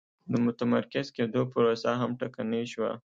د متمرکز کېدو پروسه هم ټکنۍ شوه.